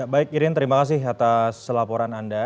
baik irin terima kasih atas laporan anda